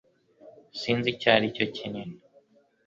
Sinzi icyo aricyo kinini